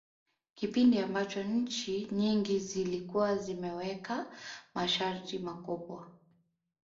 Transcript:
Kipindi ambacho nchi nyingi zilikuwa zimeweka masharti makubwa